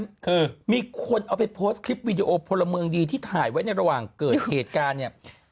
คือมีคนเอาไปโพสต์คลิปวิดีโอพลเมืองดีที่ถ่ายไว้ในระหว่างเกิดเหตุการณ์เนี่ย